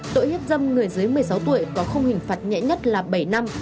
tội hiếp dâm người dưới một mươi sáu tuổi có khung hình phạt nhẹ nhất là bảy năm